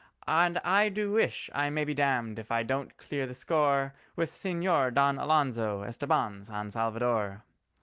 And I do wish I may be damned if I don't clear the score With Señor Don Alonzo Estabán San Salvador!"